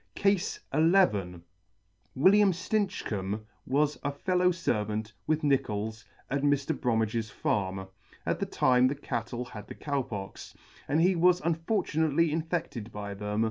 CASE XI. WILLIAM STINCHCOMB was a fellow fervant with Nichols at Mr. Bromedge's Farm at the time the cattle had the Cow Pox, and he was unfortunately infe&ed by them.